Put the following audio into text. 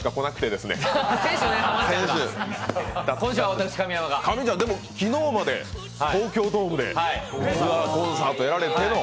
でも、昨日まで東京ドームでツアーコンサートやられての？